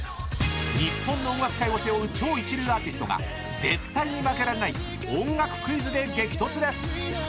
［日本の音楽界を背負う超一流アーティストが絶対に負けられない音楽クイズで激突です！］